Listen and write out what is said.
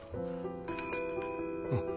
うん。